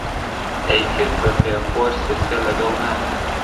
ئەیکرد بە پێخۆر سرکە لەگەڵ نان